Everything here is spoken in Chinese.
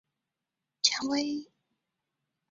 扁刺蔷薇为蔷薇科蔷薇属下的一个变种。